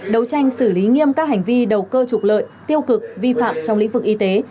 đấu tranh xử lý nghiêm các hành vi đầu cơ trục lợi tiêu cực vi phạm trong lĩnh vực y tế